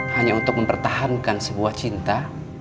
hanya untuk mempertahankan sebuah cinta